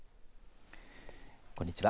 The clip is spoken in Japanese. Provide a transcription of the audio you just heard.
こんにちは。